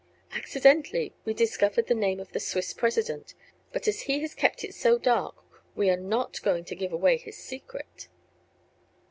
Accidentally we discovered the name of the Swiss President, but as he has kept it so dark we are not going to give away his secret.